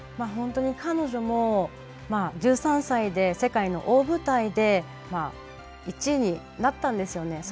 本当に彼女も１３歳で世界の大舞台で１位になったんですよね。